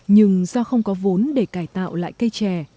nhưng do không có vốn để cải tạo lại cây trè